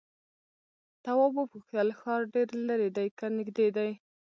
تواب وپوښتل ښار ډېر ليرې دی که نږدې دی؟